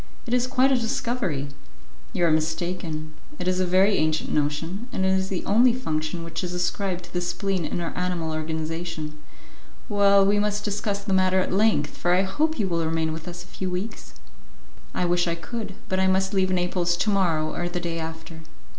It is quite a discovery." "You are mistaken; it is a very ancient notion, and it is the only function which is ascribed to the spleen in our animal organization." "Well, we must discuss the matter at length, for I hope you will remain with us a few weeks." "I wish I could, but I must leave Naples to morrow or the day after."